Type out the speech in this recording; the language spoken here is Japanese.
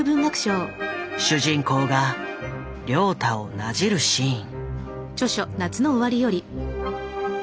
主人公が凉太をなじるシーン。